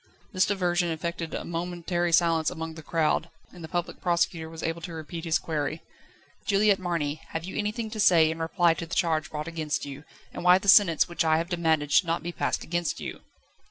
This diversion effected a momentary silence among the crowd, and the Public Prosecutor was able to repeat his query: "Juliette Marny, have you anything to say in reply to the charge brought against you, and why the sentence which I have demanded should not be passed against you?"